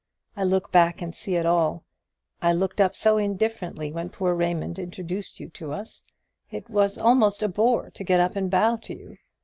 I look back and see it all. I looked up so indifferently when poor Raymond introduced you to us; it was almost a bore to get up and bow to you.